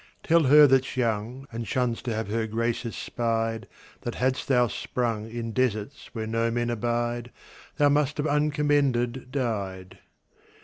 Tell her that's young, And shuns to have her graces spied, That hadst thou sprung In deserts where no men abide, Thou must have uncommended died.